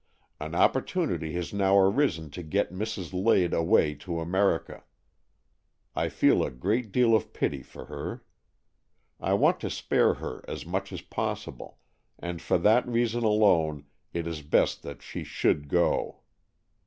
An opportunity has now arisen to get Mrs. Lade away to America. I feel a great deal of pity for her. I want to spare her as much as possible, and for that reason alone it is best that she should go.